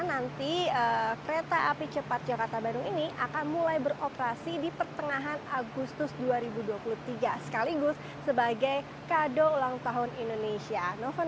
nanti kereta api cepat jakarta bandung ini akan mulai beroperasi di pertengahan agustus dua ribu dua puluh tiga sekaligus sebagai kado ulang tahun indonesia